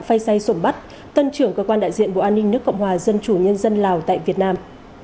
phay say sổm bắt tân trưởng cơ quan đại diện bộ an ninh nước cộng hòa dân chủ nhân dân lào tại việt nam